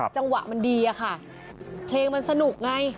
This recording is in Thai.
จังหวะมันดีอะค่ะเพลงมันสนุกไง